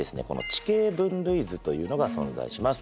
「地形分類図」というのが存在します。